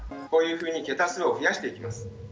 こういうふうに桁数を増やしていきます。